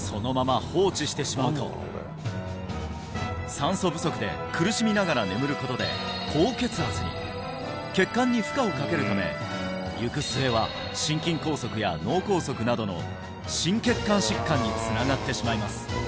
酸素不足で苦しみながら眠ることで高血圧に血管に負荷をかけるため行く末は心筋梗塞や脳梗塞などの心血管疾患につながってしまいます